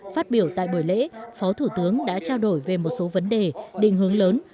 phát biểu tại buổi lễ phó thủ tướng đã trao đổi về một số vấn đề định hướng lớn